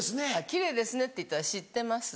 「奇麗ですね」って言ったら「知ってます」。